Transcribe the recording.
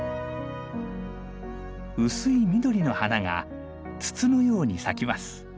薄い緑の花が筒のように咲きます。